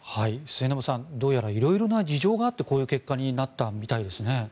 末延さんどうやら色々な事情があってこういう結果になったみたいですね。